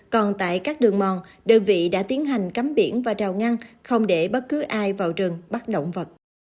còn tại các đường mòn đơn vị đã tiến hành cắm biển và rào ngăn không để bất cứ ai vào rừng bắt động vật